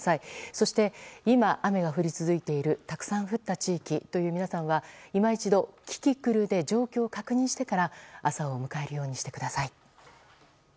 そして、今雨が降り続いているたくさん降った地域という皆さんは今一度、キキクルで状況を確認してから朝を迎えるようにしてください。